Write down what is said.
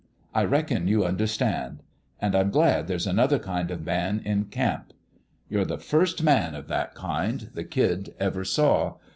I reckon you understand. And I'm glad there's another kind of man in camp. You're the first man of that kind the kid ever saw.